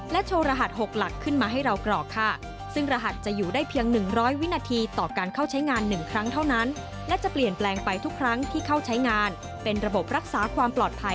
และโชว์รหัส๖หลักขึ้นมาให้เรากรอกค่ะ